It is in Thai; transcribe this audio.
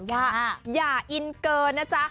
อย่าอินเกินนะจ๊ะ